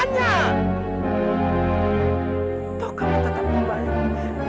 bahwa kamu tetap membayang